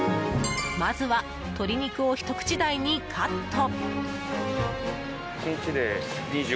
まずは鶏肉をひと口大にカット。